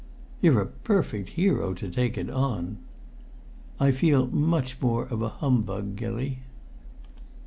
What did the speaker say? "You're a perfect hero to take it on!" "I feel much more of a humbug, Gilly."